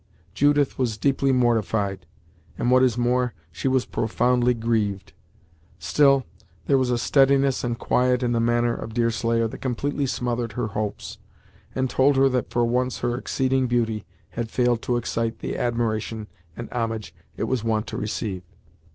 Judith was deeply mortified, and, what is more, she was profoundly grieved. Still there was a steadiness and quiet in the manner of Deerslayer that completely smothered her hopes, and told her that for once her exceeding beauty had failed to excite the admiration and homage it was wont to receive.